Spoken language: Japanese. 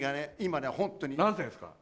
何歳ですか？